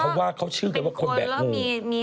ก็เขาว่าเขาชื่อเลยว่าคนแบกงูนี่ไม่รู้มั้ย